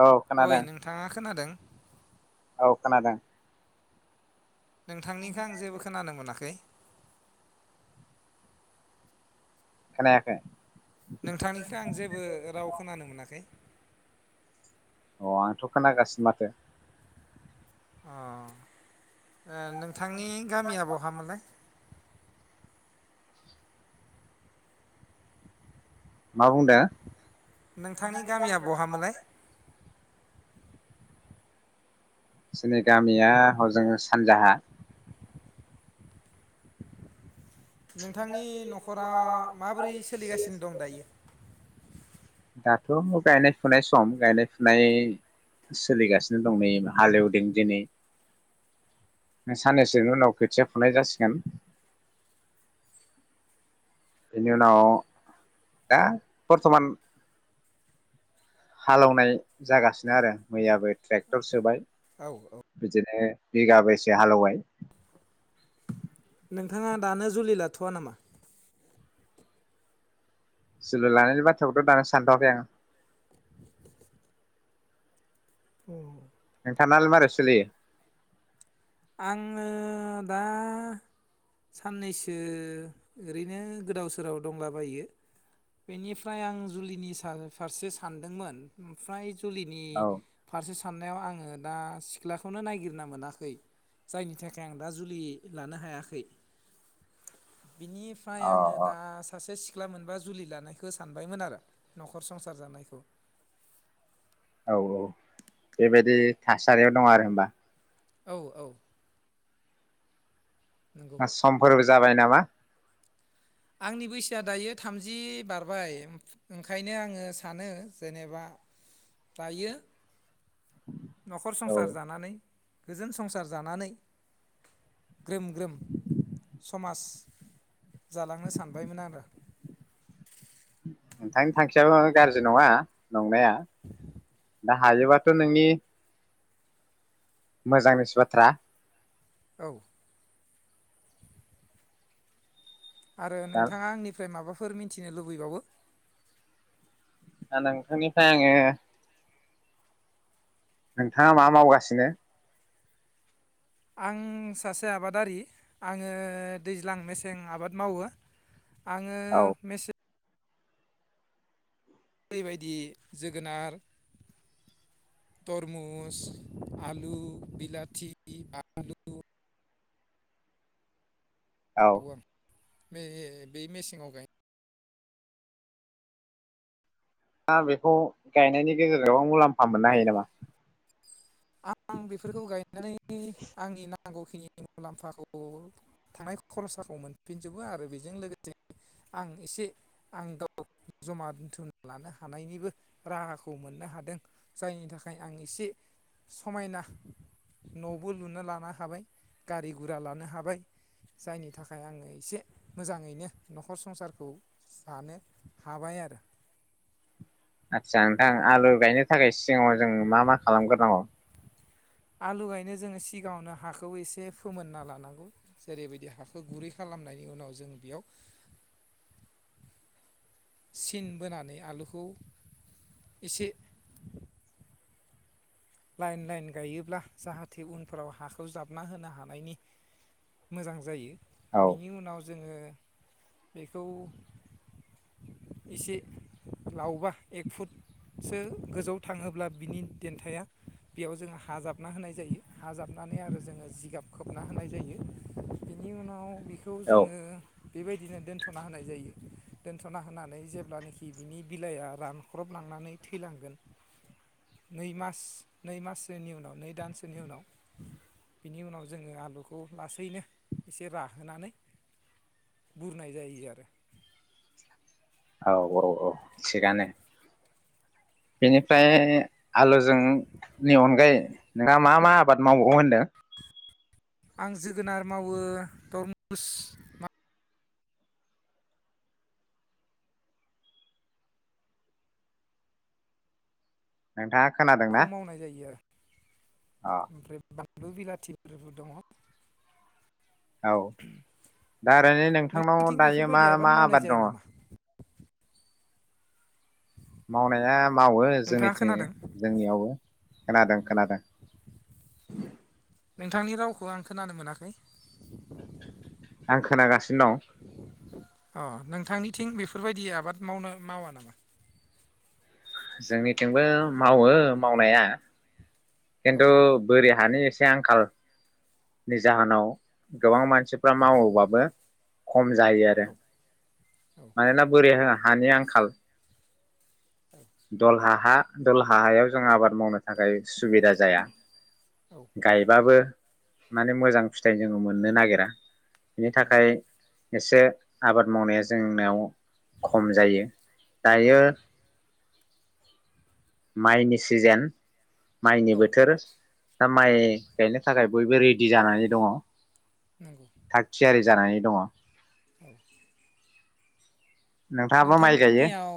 औ खोनादों ओइ नोंथाङा खोनादों। औ खोनादों। नोंथांनिखौ आं जेबो खोनानो मोनाखै खोनाखै? नोंथांनिखै आं जेबो राव खोनानो मोनाखै। अ आंथ' खोनागासिनो माथो। ओ। नोंथांनि गामिया बहा मोनलाय? मा बुंदों? नोंथांनि गामिया बहामोनलाय? जोंनि गामिया हजों सानजाहा। नोंथांनि न'खरा माबोरै सोलिगासिनो दं दायो? दाथ' गायनाय फुनाय सम गायनाय फुनाय सोलिगासिनो दं नै हालेवदों दिनै साननैसोनि उनाव खोथिया फुनाय जासिगोन। बेनि उनाव दा बर्थमान हालेवनाय जागासिनो आरो मैयाबो ट्रेक्टर सोबाय। औ औ बिदिनो बिगाबो बेसे हालेवबाय नोंथाङा दानो जुलि लाथ'वा नामा? जुलि लानायनि बाथ्राखौथ' दानो सानथ'आखै आं। अ। नोंथां नालाय मारै सलियो? आङो दा साननैसो ओरैनो गोदाव सोराव दंलाबायो बेनिफ्राय आं जुलिनि सा फारसे सानदोंमोन ओमफ्राय जुलिनि औ फारसे साननायाव आङो दा सिख्लाखौनो नायगिरना मोनाखै। जायनि थाखाय आं दा जुलि लानो हायाखै। बिनिफ्राय अ आङो दा सासे सिख सिख्ला मोनबा जुलि लानायखौ सानबायमोन आरो न'खर संसार जानायखौ। औ औ बेबायाददि थासारियाव दं आरो होनबा औ औ नंगौ सम्फोर जाबाय नामा आंनि बैसोआ दायो थामजि बारबाय ओंखायनो आङो सानो जेनेबा दायो न'खर औ संसार जानानै गोजोन संसार जानानै ग्रोम ग्रोम समाज जालांनो सानबायमोन आरो नोंथां थांखियाबो गाज्रि नङा नंनाया दा हायोबाथ' नोंनि मोजांनिसो बाथ्रा औ आरो दा नोंथाङा आंनिफ्राय माबा फोर मिन्थिनो लुबैबावो दा नोंथांनिफ्राय आङो नोंथाङा मा मावगासिनो आं सासे आबादारि आङो दैज्लां मेसें आबाद मावो आङो औ मेसे ओरैबायदि जोगोनार तरमुस आलु बिलाथि आलु औ बे बे मेसेंआव गाय दा बेखौ गायनायनि गेजेराव मुलाम्फा मोननो हायो नामा आं बेफोरखौ गायनानै आंनि नां नांगौखिनि मुलाम्फाखौ थांनाय खरसाखौ मोनफिनजोबो आरो बेजों लोगोसे आं एसे आं गाव जमा दोनथुमना लानो हानायनिबो राहाखौ मोननो हादों जायनि थाखाय आं एसे समायना न'बो लुनो लानो हाबाय, गारि-गुरा लानो हाबाय जायनि थाखाय आङो एसे मोजाङैनो न'खर संसारखौ जानो हाबाय आरो। आदसा नोंथां आलु गायनो थाखाय सिगाङाव जों मा मा खालामग्रोनांगौ? आलु गायनो जोङो सिगाङावनो हाखौ एसे फोमोनना लानांगौ जेरै बायदि हाखौ गुरै खालामनायनि उनाव जों बेयाव सिन बोनानै आलुखौ एसे लाइन लाइन गायोब्ला जाहाथे उनफोराव हाखौ जाबना होनो हानायनि मोजां जायो। औ बिनि उनाव जोङो बेखौ एसे लावबा एक फुटसो गोजौआव थाङोब्ला बिनि देन्थाया बेयाव जोङो हाजाबना होनाय जायो हाजाबनानै आरो जोङो जिगाब खोबना होनाय जायो। बिनि उनाव बेखौ औ जोङो बेबायदिनो दोनथ'ना होनाय जायो दोनथ'ना होनानै जेब्लानोखि बिनि बिलाइआ रानख्रबलांनानै थैलांगोन नै मास नै माससोनि उनाव नै दानसोनि उनाव बिनि उनाव जोङो आलुखौ लासैनो एसे राहोनानै बुरनाय जायो आरो औ औ औ थिगानो बेनिफ्राय आलुजोंनि अनगायै नोंहा मा मा आबाद मावबावो होनदों? आं जोगोनार मावो, तरमुस नोंथाङा बे खोनादोंना खौ मावनाय जायो आरो अ ओमफ्राय बानलु बिलाथिफोरबो दङ औ दा ओरैनो नोंथांनाव नोंथांथिं दायो मा बेफोरबायदि मा मावनाय आबाद जाया दङ? नामा मावनाया मावो नोंथाङा जोंनिथिं खोनादों जोंनियावबो खोनादों खोनादों नोंथांनि रावखौ आं खोनानो मोनाखै। आं खोनागासिनो दं। अ नोंथांनिथिं बेफोरबायदि आबाद मावनो मावा नामा? जोंनिथिंबो मावो मावनाया। औ खिन्थु बोरि हा नि एसे आंखालनि जाहोनाव गोबां मान सिफ्रा मावोबाबो खम जायो आरो औ औ मानोना बोरि हानि आंखाल दलहा हा, दलहा हायाव जों आबाद मावनो थाखाय सुबिदा जाया गायबाबो माने मोजां फिथाइ जोङो मोननो नागिरा। बिनि थाखाय एसे आबाद मावनाया जोंनाव खम जायो। औ दायो माइनि सिजेन माइनि औ बोथोर दा माइ गायनो थाखाय बयबो रेडि जानानै दङ। नंगौ थाग थियारि जानानै दङ औ नोंथाङाबो माइ गायो नोंथांमोननियाव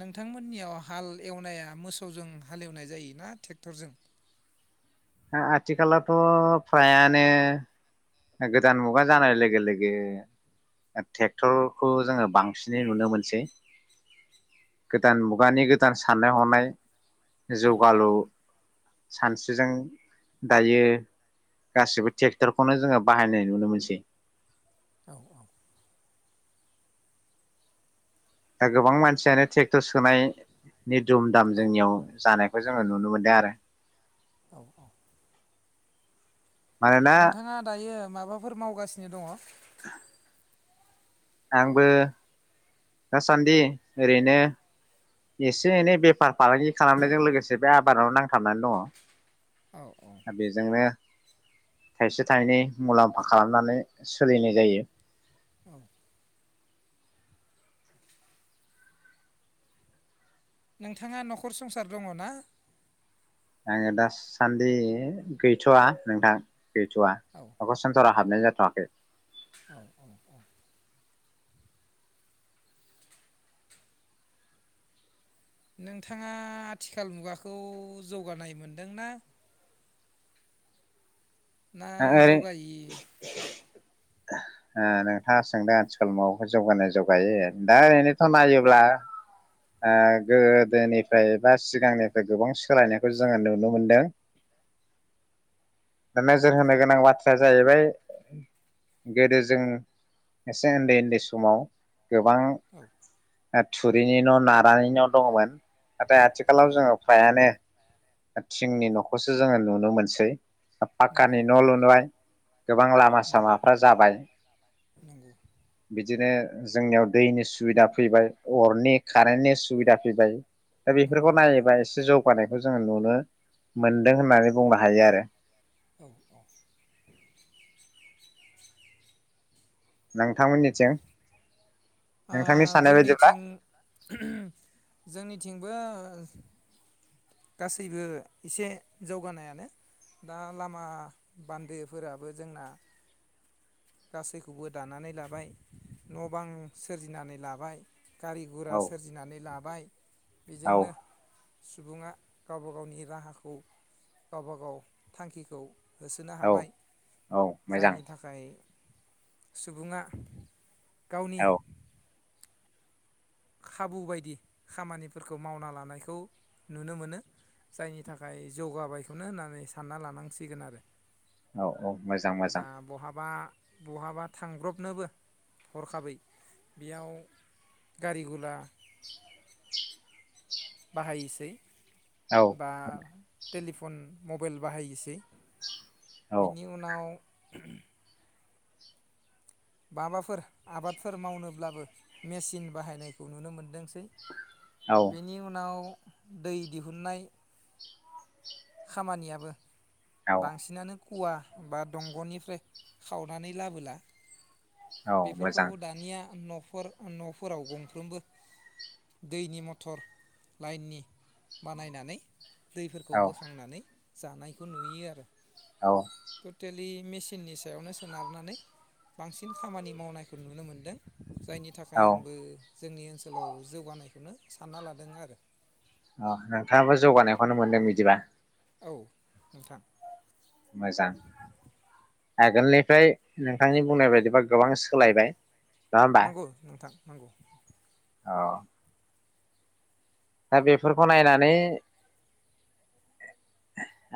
नोंथांमोननियाव हाल एवनाया मोसौजों हालेवनाय जायोना टेक्टरजों? आथिखालावथ' फ्रायानो गोदान मुगा जानाय लोगो लोगो टेक्टरखौ जोङो बांसिनै नुनो मोनसै गोदान मुगानि गोदान साननाय हनाय औ जौगालु सानस्रिजों दायो गासिबो टेक्टरखौनो जोङो बाहायनाय नुनो मोनसै औ औ दा गोबां मानसियानो ट्रेक्टर सोनाय नि दुम दाम औ जोंनियाव जानाय खौ जोङो नुनो मोनदों आरो [inaudible] मानोना नोंथाङा दायो माबाफोर मावगासिनो दङ। [unintelligible] आंबो दासान्दि ओरैनो एसे एनै बेफार फालांगि खालामनायजों लोगोसे बे आबादाव नांथाबनानै दङ। औ औ बेजोंनो थाइसे थाइनै मुलाम्फा खालामनानै सोलिनाय जायो। औ नोंथाङा न'खर संसार दङ ना? आङो दासान्दि गैथ'वा नोंथां। गैथ'आ औ न'खर संसाराव हाबनाय जाथ थाङाखै। औ औ औ। नोंथाङा आथिखाल मुगाखौ जौगानाय मोनदोंना? ना जौगायि ओ नोंथाङा सोंदों आथिखाल मुगाखौ जौगानाय जौगायि दा ओरैनोथ' नायोब्ला ओ गोदोनिफाय बा सिगांनिफाय गोबां सोलायनायखौ जोङो नुनो मोनदों [unintelligible] नोजोर औ होनो गोनां बाथ्राया जाहैबाय। गोदो जों एसे ओन्दै ओन्दै समाव गोबां औ ओ थुरिनि न' नारानि न‌' दङमोन। नाथाय आथिखालाव नंगौ जोङो फ्रायानो थिंनि न'खौसो जोङो नुनो मोनसै। नंगौ पाक्कानि न' नंगौ लुनाय गोबां लामा नंगौ सामाफ्रा जाबाय नंगौ बिद बिदिनो जोंनियाव दैनि सुबिदा फैबाय अरनि कारेननि सुबिदा फैबाय। दा बेफोरखौ नंगौ नंगौ नायोबा एसे जौ [unintelligible] जोङो नुनो मोनदों होननानै बुंनो हायो आरो। औ औ [unintelligible] नोंथांमोननिथिं ओ नोंथांनि साननाय बायदिब्ला जोंनिथिं [unintelligible] जोंनिथिंबो गासैबो एसे जौगानायानो दा लामा बान्दोफोराबो जोंना गासैखौबो दानानै लाबाय न'-बां सोरजिनानै लाबाय। गारि-गुरा औ सोरजिनानै लाब बाय। औ बेजोंनो सुबुङा गावबा गावनि राहाखौ गावबा गाव थांखिखौ होसोनो औ हाबाय औ मोजां जायनि थाखाय सुबुंआ। गावनि औ खाबु बायदि खामानिफोरखौ मावना लानायखौ नुनो मोनो जायनि थाखाय जौगाबायखौनो होननानै सानना लानांसिगोन आरो औ औ मोजां मोजां दा बहाबा बहाबा थांब्रबनोबो हरखाबै बेयाव गारिगुला बाहायसै औ बा टेलिफन मबाइल बाहायसै औ बिनि उनाव [unintelligible] माबाफोर आबादफोर मावनोब्लाबो मेचिन बाहायनायखौ नुनो मोनदोंसै औ बेनि उनाव दै दिहुननाय खामानियाबो औ बांसिनानो खुवा बा दंगनिफ्राय खावनानै लाबोला औ बेफोरखौ मोजां दानिया न फोर नफोराव गंफ्रोमबो दैनि मटर लाइननि बानायनानै दैफोरखौ औ बोखांनानै जानायखौ नुयो आरो औ मेसिननि सायावनो सोनारनानै बांसिन खामानि मावनायखौ नुनो मोनदों जायनि थाखाय औ आंबो जोंनि ओनसोलाव जौगानायखौनो सानना लादों आरो अ नोंथाङाबो जौगानायखौनो मोनदों बिदिबा औ नोंथां मोजां आगोलनिफ्राय नोंथांनि बुंनाय बायदिबा गोबां सोलायबाय नङा होमबा? नंगौ नोंथां नंगौ औ दा बेफोरखौ नायनानै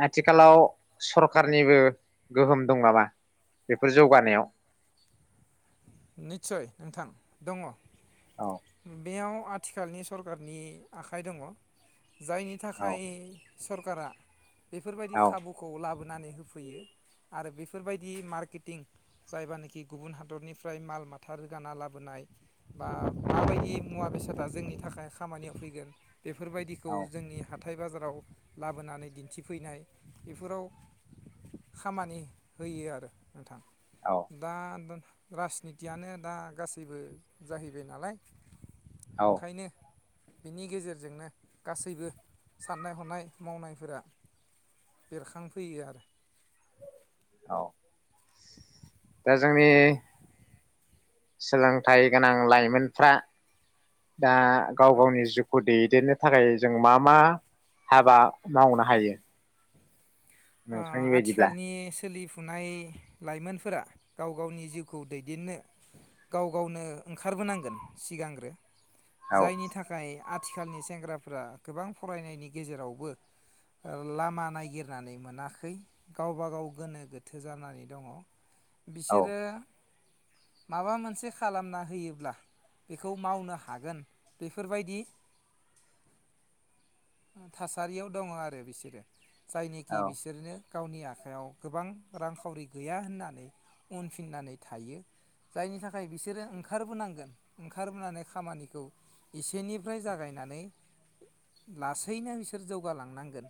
आथिखालाव सरखारनिबो गोहोम दं नामा बेफोर जौगानायाव नितसय नोंथां दङ औ बेयाव आथिखालनि सरकारनि आखाइ दङ जायनि औ थाखाय सरकारा बेफोरबायदि औ खाबुखौ लाबो नानै होफैयो आरो बेफोरबायदि मार्केटिं जायबानखि गुबुन हादरनि फ्राय माल माथा रोगाना लाबोनाय बा औ माबायदि मुवा बेसाद दा जोंनि थाखाय खामानियाव फैगोन बेफोरबायदिखौ जोंनि ह थाय बाजाराव लाबोनानै दिन्थिफैनाय बेफोराव खामानि होयो आरो। नोंथां औ दा राजनितियानो दा गासैबो जाहैबाय नालाय औ ओंखायनो बेनि गेजेरजोंनो गासैबो सान्नाय हनाय मावनाय फोरा बेरेखांफोयो आरो। औ [inaudible] दा जोंनि सोलोंथाइ गोनां लाइमोनफ्रा दा‌ गाव औ गावनि जिउखौ दैैदेननो थाखाय जों मा मा हाबा मावनो हायो? नोंथांनि बायदिब्ला आथिखालनि सोलिफु फुनाय लाइमोनफोरा गाव गावनि जिउखौ दैदेननो गाव गावनो ओंखारबोनांगोन सिगांग्रो औ जायनि थाखाय आ थिखालनि सेंग्राफ्रा गोबां फरायनायनि गेजेरावबो लामा नायगिरनानै मोनाखै गावबा गाव गोनो गोथो जानानै दङ' औ बिसोरो माबा मोनसे खालामना होयोब्ला बेखौ मावनो हागोन बेफोरबायदि थासारियाव दङ आरो बिसोरो। जायनोखि औ बिसोरनो गावनि आखायाव गोबां रांखावरि गैया होननानै उनफिननानै थायो जायनि थाखाय बिसोरो ओंखारबोनांगोन ओंखारबोनानै खामानिखौ एसेनिफ्राय जागायनानै लासैनो बिसोर जौगालांनांगोन।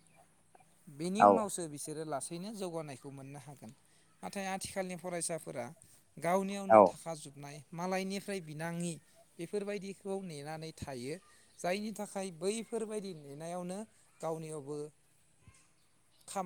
बेनि औ उनावसो बिसोरो लासै बेनो जौगानायखौ मोननो हागोन नाथाय आथिखालनि फरायसाफोरा गावनियावनो औ थाखा जोबनाय। मालायनिफ्राय बिनाङि बेफोरबायदिखौ नेनानै थायो जायनि थाखाय बै फोरबायदि नेनायावनो गावनियावबो खामा